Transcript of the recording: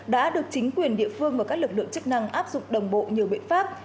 đã được chính quyền địa phương và các lực lượng chức năng áp dụng đồng bộ nhiều biện pháp